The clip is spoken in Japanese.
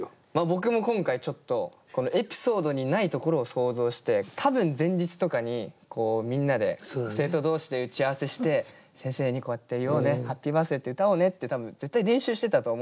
僕も今回ちょっとエピソードにないところを想像して多分前日とかにみんなで生徒同士で打ち合わせして先生にこうやって言おうね「ハッピーバースデイ」って歌おうねって絶対練習してたと思うんですよ。